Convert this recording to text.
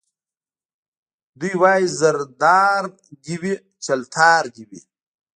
دی وايي زردار دي وي چلتار دي وي